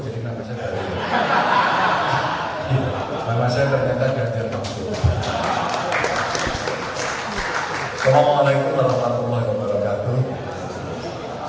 assalamu alaikum warahmatullahi wabarakatuh